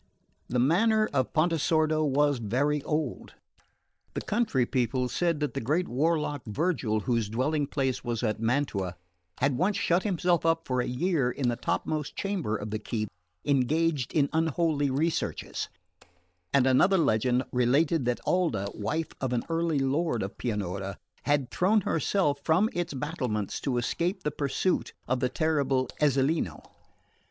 The manor of Pontesordo was very old. The country people said that the great warlock Virgil, whose dwelling place was at Mantua, had once shut himself up for a year in the topmost chamber of the keep, engaged in unholy researches; and another legend related that Alda, wife of an early lord of Pianura, had thrown herself from its battlements to escape the pursuit of the terrible Ezzelino.